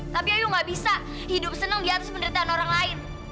tapi ayo gak bisa hidup senang di atas penderitaan orang lain